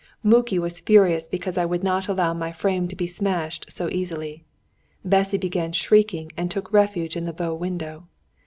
Muki was furious because I would not allow my frame to be smashed so easily. Bessy began shrieking, and took refuge in the bow window.